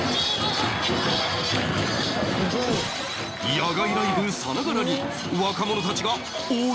野外ライブさながらに若者たちが踊る！